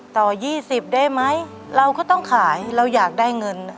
ต่อ๒๐ได้ไหมเราก็ต้องขายเราอยากได้เงิน